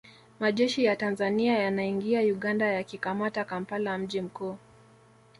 Majeshi ya Tanzania yanaingia Uganda yakikamata Kampala mji mkuu